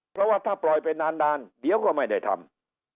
เพราะว่าถ้าปล่อยไปนานเดี๋ยวก็ไม่ได้ทำ